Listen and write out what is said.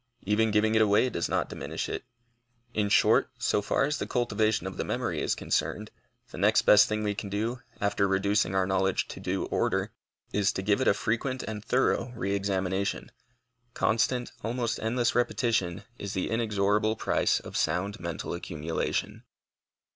Even giving it away does not diminish it. In short, so far as the cultivation of the memory is concerned, the next best thing we can do, after reducing our knowledge to due order, is to give it a frequent and thorough re examination. Constant, almost endless repetition is the inexorable price of sound mental accumulation.